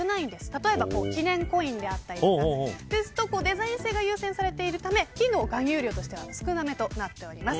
例えば記念コインだったりだとかデザイン性が優先されているため金の含有量が少なめになります。